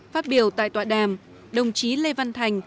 phát biểu tại tọa đàm đồng chí lê văn thành